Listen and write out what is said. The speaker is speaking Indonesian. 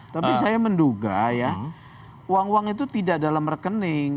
tapi saya menduga ya uang uang itu tidak dalam rekening